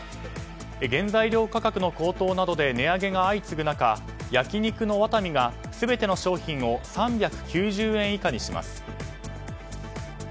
原材料価格の高騰などで値上げが相次ぐ中焼肉の和民が全ての商品を３９０円以下にします。